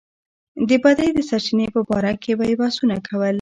د بدۍ د سرچينې په باره کې به يې بحثونه کول.